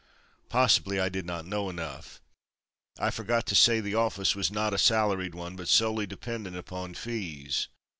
Possibly I did not know enough. I forgot to say the office was not a salaried one, but solely dependent upon fees.